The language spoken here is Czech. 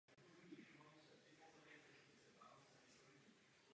Společně požadovali zachování řeky.